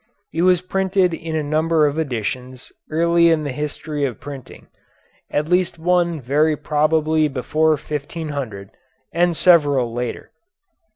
It was printed in a number of editions early in the history of printing, at least one very probably before 1500, and several later.